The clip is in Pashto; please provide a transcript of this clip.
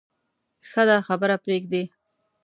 ښه ده خبره پرېږدې.